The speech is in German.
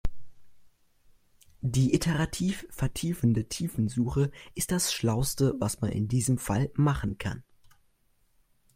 Die iterativ vertiefende Tiefensuche ist das schlauste, was man in diesem Fall machen kann.